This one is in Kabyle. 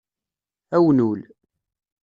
Awnul